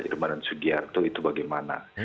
irman dan sugiharto itu bagaimana